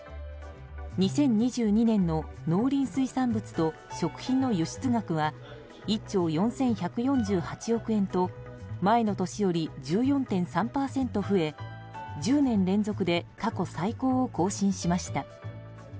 ２０２２年の農林水産物と食品の輸出額は１兆４１４８億円と前の年より１４．３％増え１０年連続で過去最高を更新しました。